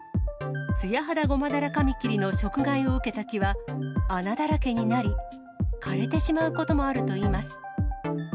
ツヤハダゴマダラカミキリの食害を受けた木は、穴だらけになり、枯れてしまうこともあるといいます。